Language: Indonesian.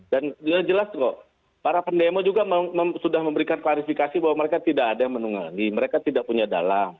dan jelas jelas kok para pendemo juga sudah memberikan klarifikasi bahwa mereka tidak ada yang menungani mereka tidak punya dalang